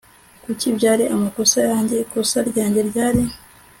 kuki byari amakosa yanjye? ikosa ryanjye ryari